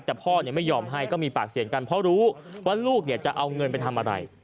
แต่พ่อไม่ยอมให้ก็มีปากเสียงกันเพราะรู้ว่าลูกจะเอาเงินไปทำอะไร